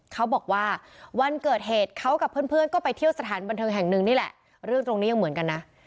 เขาบอกว่าวันเกิดเหตุเขากับเพื่อนก็ไปเที่ยวสถานบนเทิงแห่งนึงนี่แหละ